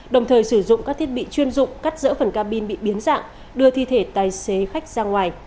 đồng thời sử dụng các thiết bị chuyên dụng cắt dỡ phần cabin bị biến dạng đưa thi thể tài xế khách ra ngoài